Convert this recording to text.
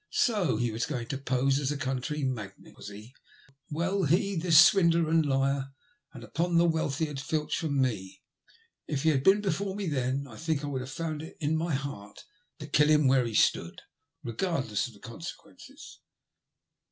So he was going to pose as a county mag nate, was he — this swindler and liar !— and upon the wealth he has filched from me ? If he had been before me then, I think I could have found it in my heart to • kill him where he stood, regardless of the consequences.